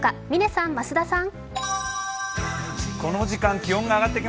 嶺さん、増田さん。